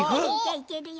いけるよ。